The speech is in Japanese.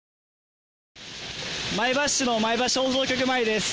前橋市の前橋放送局前です。